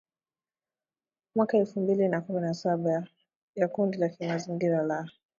mwaka elfu mbili na kumi na saba ya kundi la kimazingira la